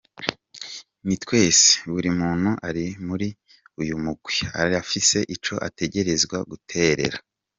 Ni twese, buri muntu ari muri uyu mugwi arafise ico ategerezwa guterera.